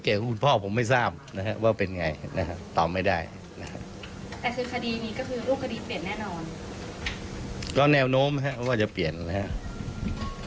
ก็แนวโน้มนะครับว่าจะเปลี่ยนนะครับ